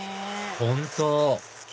本当！